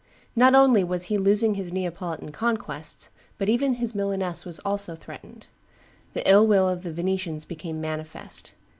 Not only was he losing his Neapolitan conquests, but even his Milaness was also threatened. The ill will of the Venetians became manifest.